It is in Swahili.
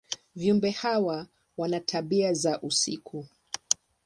Viumbe hawa wana tabia za usiku.